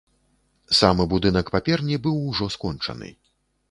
Самы будынак паперні быў ужо скончаны.